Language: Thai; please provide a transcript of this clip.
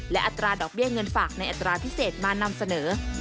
และอัตราดอกเบี้ยเงินฝากในอัตราพิเศษมานำเสนอ